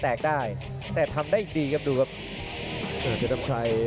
สอกซ้ายหน้าแล้วก็ขวาหลังของเพชรน้ำหนึ่งนี่